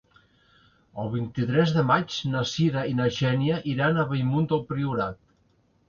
El vint-i-tres de maig na Sira i na Xènia iran a Bellmunt del Priorat.